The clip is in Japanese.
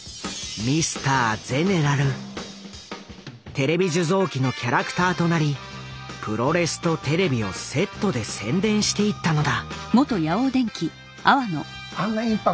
テレビ受像機のキャラクターとなりプロレスとテレビをセットで宣伝していったのだ。